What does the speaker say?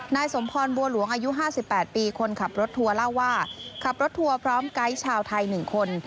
นายสมพรบัวหลวงอายุ๕๘ปีคนขับรถทัวร์เล่าว่าขับรถทัวร์พร้อมไกด์ชาวไทย๑คน